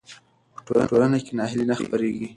په ټولنه کې ناهیلي نه خپرېږي.